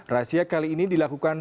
rahasia kali ini dilakukan